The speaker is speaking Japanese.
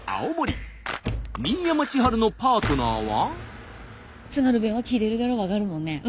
新山千春のパートナーは。